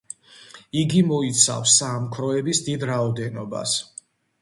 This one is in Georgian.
იგი მოიცავს საამქროების დიდ რაოდენობას.